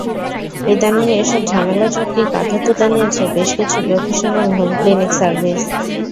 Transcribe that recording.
ইদানীং এসব ঝামেলা-ঝক্কি কাঁধে তুলে নিয়েছে বেশ কিছু প্রফেশনাল হোম ক্লিনিং সার্ভিস।